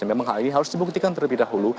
memang hal ini harus dibuktikan terlebih dahulu